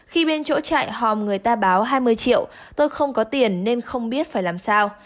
khi bên chỗ chạy hòm người ta báo hai mươi triệu tôi không có tiền nên không biết phải làm sao